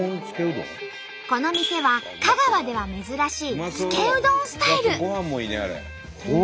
この店は香川では珍しいつけうどんスタイル。